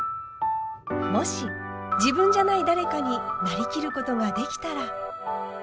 もし自分じゃない誰かになりきることができたら。